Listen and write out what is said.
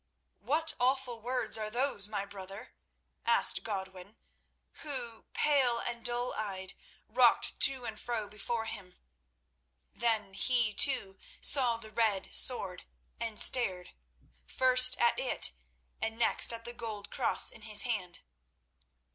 "What awful words are those, my brother?" asked Godwin, who, pale and dull eyed, rocked to and fro before him. Then he, too, saw the red sword and stared, first at it and next at the gold cross in his hand.